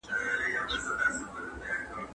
د بل چا موندنه هيڅکله باید د حوالې پرته خپله نه سي.